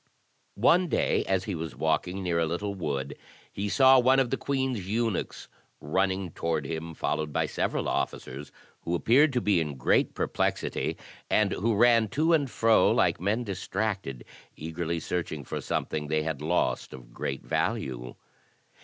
One day, as he was walking near a little wood, he saw one of the queen's eunuchs running toward him, followed by several officers, who appeared to be in great perplexity, and who ran to and fro like men distracted, eagerly searching for something they had lost of great value.